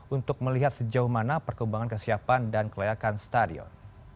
untuk melihat sejauh mana perkembangan kesiapan dan kelayakan stadion